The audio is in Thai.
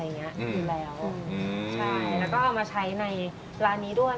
แล้วก็เอามาใช้ในร้านนี้ด้วย